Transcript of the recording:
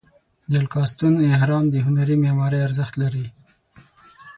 د الکاستون اهرام د هنري معمارۍ ارزښت لري.